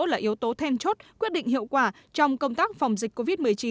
là yếu tố then chốt quyết định hiệu quả trong công tác phòng dịch covid một mươi chín